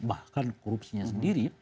bahkan korupsinya sendiri